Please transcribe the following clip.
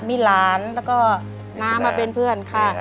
มีหลานแล้วก็น้ามาเป็นเพื่อนค่ะ